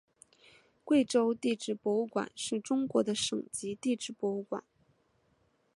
贵州地质博物馆是中国的省级地质博物馆。